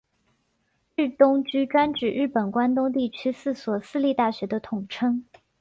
日东驹专指日本关东地区四所私立大学的统称。